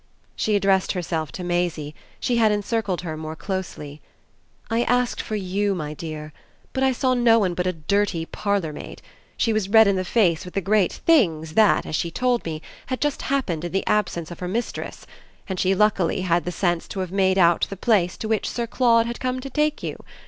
She addressed herself to Maisie; she had encircled her more closely. "I asked for YOU, my dear, but I saw no one but a dirty parlourmaid. She was red in the face with the great things that, as she told me, had just happened in the absence of her mistress; and she luckily had the sense to have made out the place to which Sir Claude had come to take you.